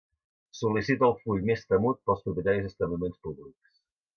Sol·licita el full més temut pels propietaris d'establiments públics.